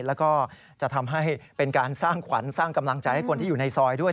แล้วก็จะทำให้เป็นการสร้างขวัญสร้างกำลังใจให้คนที่อยู่ในซอยด้วย